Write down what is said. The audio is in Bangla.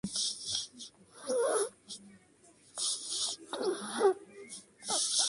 একুশের মিছিল, একুশের স্লোগান, একুশের গান সেই অপশক্তিকে বারবার রুখেছে, এখনো রুখবে।